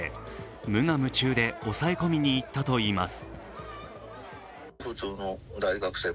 無我夢中で押さえ込みにいったといいます。